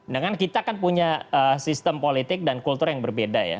dengan kita kan punya sistem politik dan kultur yang berbeda ya